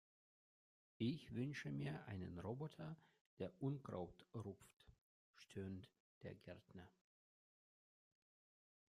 "Ich wünsche mir einen Roboter, der Unkraut rupft", stöhnt der Gärtner.